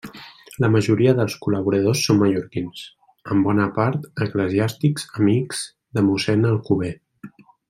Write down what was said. La majoria dels col·laboradors són mallorquins, en bona part eclesiàstics amics de Mossèn Alcover.